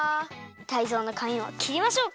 タイゾウのかみもきりましょうか？